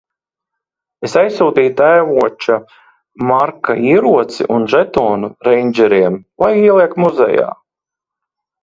Es aizsūtīju tēvoča Marka ieroci un žetonu reindžeriem - lai ieliek muzejā.